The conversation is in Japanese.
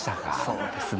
そうですね。